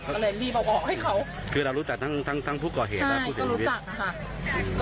ก็เลยรีบเอาบอกให้เขาคือเรารู้จักทั้งทั้งทั้งทั้งผู้ก่อเหตุใช่ก็รู้จักค่ะ